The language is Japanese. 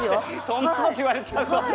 そんなこと言われちゃうと。